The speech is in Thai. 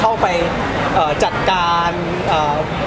ไม่ได้เจอในคุณหรอก